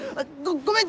ごめん！